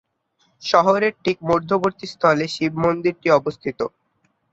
শহরের ঠিক মধ্যবর্তী স্থলে শিব মন্দিরটি অবস্থিত।